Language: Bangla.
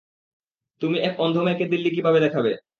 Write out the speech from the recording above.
তুমি এক অন্ধ মেয়েকে দিল্লি কিভাবে দেখাবে?